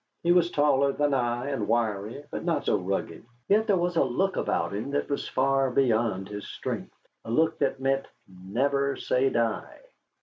He was taller than I, and wiry, but not so rugged. Yet there was a look about him that was far beyond his strength. A look that meant, never say die.